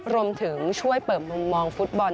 รวมถึงช่วยเปิดมุมมองฟุตบอล